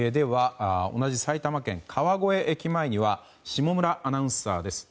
同じ埼玉県川越駅前には下村アナウンサーです。